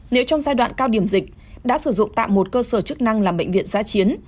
nếu trong giai đoạn cao điểm dịch đã sử dụng tạm một cơ sở chức năng làm bệnh viện giá chiến